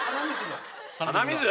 鼻水？